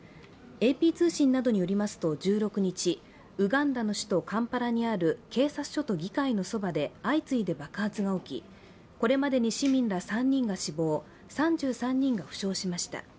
ＡＰ通信などによりますと１６日ウガンダの首都カンパラにある警察署と議会のそばで相次いで爆発が起き、これまでに市民ら３人が死亡、３３人が負傷しました。